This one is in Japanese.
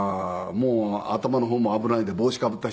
もう頭の方も危ないんで帽子かぶった人もいるし。